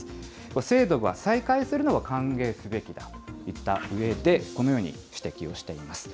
制度が再開するのは歓迎すべきだといったうえで、このように指摘をしています。